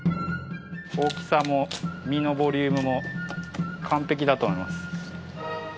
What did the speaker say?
大きさも身のボリュームも完璧だと思います。